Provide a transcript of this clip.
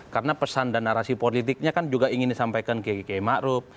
karena pesan dan narasi politiknya kan juga ingin disampaikan ke gk makrup